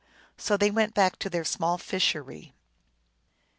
So they went back to their small fishery.